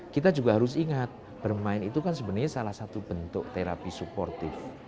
kita juga harus ingat bermain itu kan sebenarnya salah satu bentuk terapi suportif